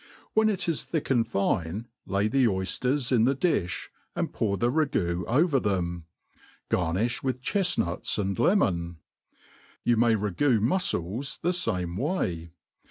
When it is thick and £ne, lay the oyfters in the di&, and pour the ragoo over them« Garnilh with chefnuts and le mon. You may ragoo mufcles the fame way.